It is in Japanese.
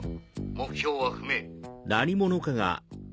目標は不明。